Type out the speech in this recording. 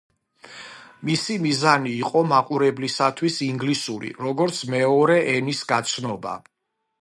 მისი მიზანი იყო მაყურებლისათვის ინგლისური, როგორც მეორე ენის გაცნობა.